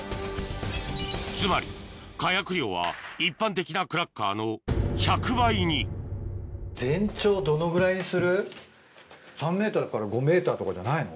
つまり火薬量は一般的なクラッカーの３ｍから５ｍとかじゃないの？